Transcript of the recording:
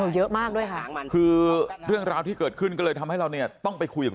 เยอะมากด้วยค่ะคือเรื่องราวที่เกิดขึ้นก็เลยทำให้เราเนี่ยต้องไปคุยกับ